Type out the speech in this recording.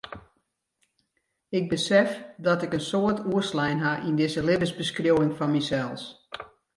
Ik besef dat ik in soad oerslein ha yn dizze libbensbeskriuwing fan mysels.